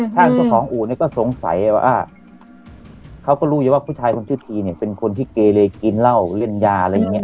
ทางเจ้าของอู่เนี่ยก็สงสัยว่าเขาก็รู้อยู่ว่าผู้ชายคนชื่อทีเนี่ยเป็นคนที่เกเลกินเหล้าเล่นยาอะไรอย่างนี้